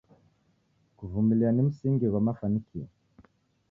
Kuvumilia ni msingi ghwa mafanikio.